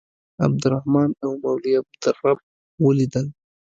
عبدالرحمن او مولوي عبدالرب ولیدل.